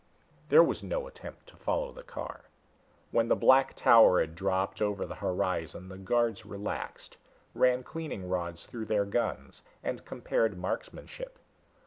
There was no attempt to follow the car. When the black tower had dropped over the horizon the guards relaxed, ran cleaning rods through their guns and compared marksmanship.